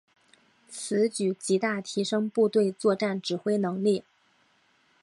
此举极大提升部队作战指挥能力。